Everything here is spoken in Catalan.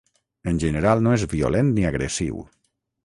En general, no és violent ni agressiu.